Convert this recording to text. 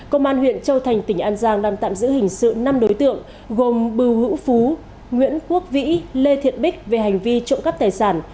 công an huyện châu thành tỉnh an giang đang tạm giữ hình sự năm đối tượng gồm bùi hữu phú nguyễn quốc vĩ lê thiện bích về hành vi trộm cắp tài sản